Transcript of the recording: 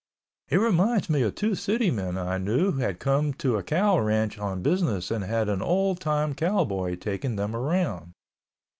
It reminds me of two city men I knew had come to a cow ranch on business and had an old time cowboy taking them around.